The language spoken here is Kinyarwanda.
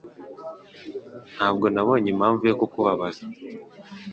Ntabwo nabonye impamvu yo kukubabaza